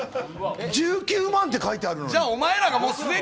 １９万って書いてあるのに。